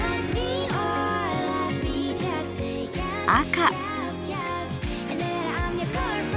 赤。